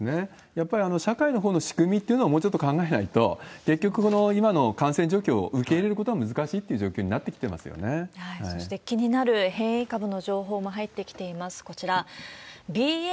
やっぱり社会のほうの仕組みっていうのをもうちょっと考えないと、結局、今の感染状況を受け入れることは難しいそして気になる変異株の情報も入ってきています、こちら。